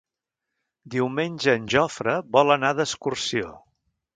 Diumenge en Jofre vol anar d'excursió.